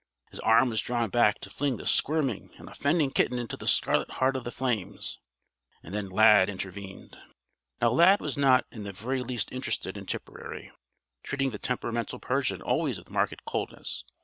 His arm was drawn back to fling the squirming and offending kitten into the scarlet heart of the flames. And then Lad intervened. Now Lad was not in the very least interested in Tipperary; treating the temperamental Persian always with marked coldness.